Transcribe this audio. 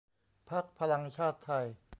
พรรคพลังชาติไทย